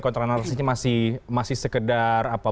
kontroversinya masih sekedar apa